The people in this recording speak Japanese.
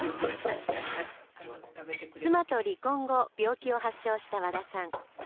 妻と離婚後病気を発症した和田さん。